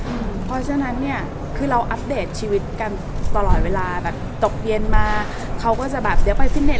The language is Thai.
เพราะฉะนั้นเนี่ยคือเราอัปเดตชีวิตกันตลอดเวลาแบบตกเย็นมาเขาก็จะแบบเดี๋ยวไปฟิตเน็